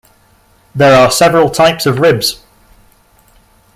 There are several types of ribs.